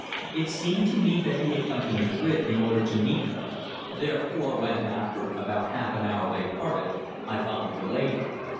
It seemed to me that he had come to Madrid in order to meet her. Therefore when after about half an hour they parted, I followed the lady.